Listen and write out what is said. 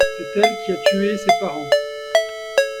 C'est elle qui a tué ses parents.